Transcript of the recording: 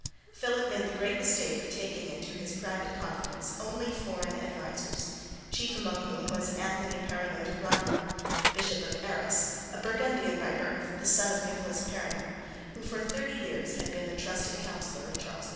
Philip made the great mistake of taking into his private confidence only foreign advisers, chief among whom was Anthony Perrenot de Granvelle, Bishop of Arras, a Burgundian by birth, the son of Nicholas Perrenot, who for thirty years had been the trusted counsellor of Charles V.